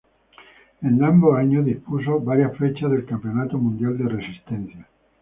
En ambos años, disputó varias fechas del Campeonato Mundial de Resistencia.